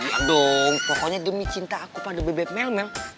aduh pokoknya demi cinta aku pada bebek melmel